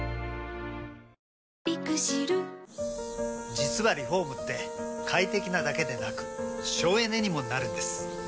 実はリフォームって快適なだけでなく省エネにもなるんです。